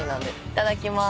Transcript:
いただきます。